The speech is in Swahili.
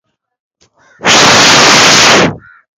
Mimi nilijaribu kila kitu lakini bado niliachwa nyuma